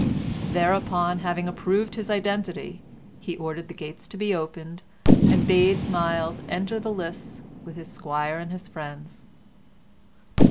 Thereupon, having approved his identity, he ordered the gates to be opened, and bade Myles enter the lists with his squire and his friends.